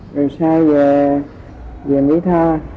rồi sau về mỹ tho